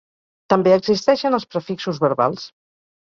També existeixen els prefixos verbals.